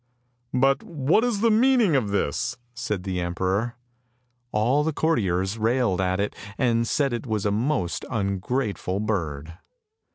" But what is the meaning of this? " said the emperor. All the courtiers railed at it, and said it was a most ungrate ful bird.